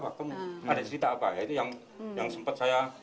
ada cerita apa ya itu yang sempet saya